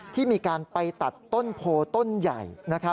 ที่มีการไปตัดต้นโพต้นใหญ่